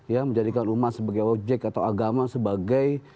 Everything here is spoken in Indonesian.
ya menjadikan umat sebagai objek atau agama sebagai